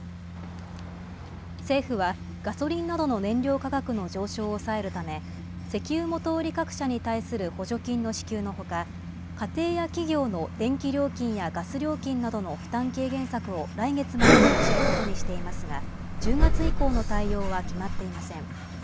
政府はガソリンなどの燃料価格の上昇を抑えるため、石油元売り各社に対する補助金の支給のほか、家庭や企業の電気料金やガス料金などの負担軽減策を来月まで講じることにしていますが、１０月以降の対応は決まっていません。